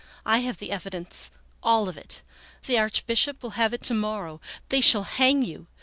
I have the evidence, all of it. The Archbishop will have it to morrow. They shall hang you